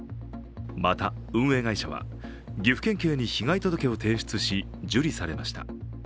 また、運営会社は、岐阜県警に被害届を提出し、受理されました。